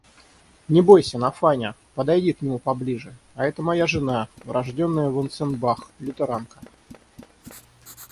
Не бойся, Нафаня! Подойди к нему поближе... А это моя жена, урожденная Ванценбах... лютеранка.